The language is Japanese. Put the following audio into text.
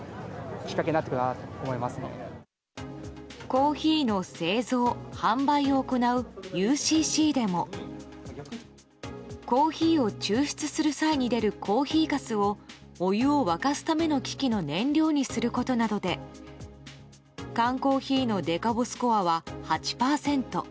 コーヒーの製造・販売を行うＵＣＣでもコーヒーを抽出する際に出るコーヒーかすをお湯を沸かすための機器の燃料にすることなどで缶コーヒーのデカボスコアは８％。